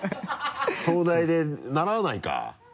東大で習わないか？